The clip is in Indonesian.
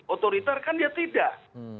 otoriter kan ya tidak